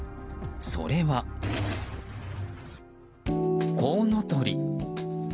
それは、コウノトリ。